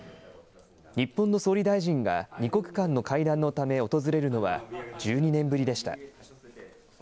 日本の総理大臣が２国間の会談のため訪れるのは１２年ぶりでした。